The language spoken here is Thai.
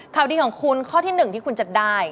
ข่าวดีของคุณข้อที่๑ที่คุณจะได้